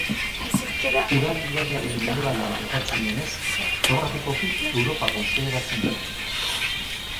Ural ibaiaren mendebaldean kokatzen denez, geografikoki Europa kontsideratzen da.